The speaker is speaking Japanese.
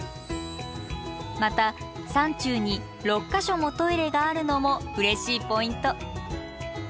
また山中に６か所もトイレがあるのもうれしいポイント。